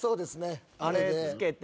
あれ着けて。